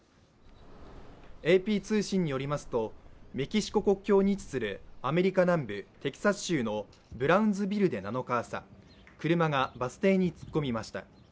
ＡＰ通信によりますとメキシコ国境に位置するアメリカ南部テキサス州のブラウンズビルで７日朝、車がバス停に突っ込みました。